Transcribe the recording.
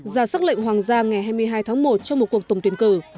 ra xác lệnh hoàng gia ngày hai mươi hai tháng một trong một cuộc tổng tuyển cử